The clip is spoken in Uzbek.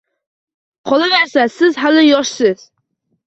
Qolaversa, siz hali yoshsiz.